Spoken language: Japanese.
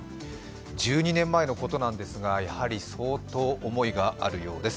１２年前のことなんですがやはり相当、思いがあるようです。